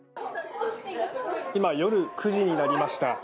今、夜９時になりました。